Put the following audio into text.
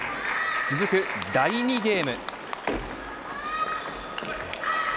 続く第２ゲーム。